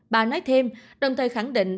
bà nói thêm đồng thời khẳng định